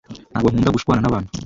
ntabwo nkunda gushwana nabantu